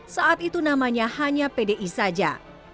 saat itu namanya hanya pdi saja